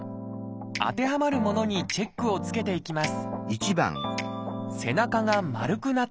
当てはまるものにチェックをつけていきます